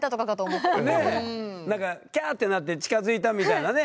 キャーってなって近づいたみたいなね。